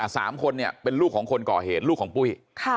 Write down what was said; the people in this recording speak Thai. สามคนเนี่ยเป็นลูกของคนก่อเหตุลูกของปุ้ย